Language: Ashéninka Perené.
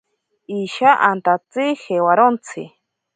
Isha antatsi jewarontsi.